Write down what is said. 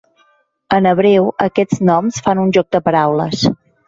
En hebreu, aquests noms fan un joc de paraules.